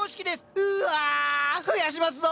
うわ増やしますぞ！